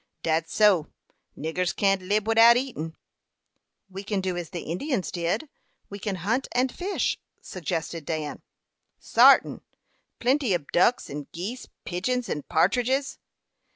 "Dat's so; niggers can't lib widout eatin." "We can do as the Indians do we can hunt and fish," suggested Dan. "Sartin plenty ob ducks and geese, pigeons and partridges."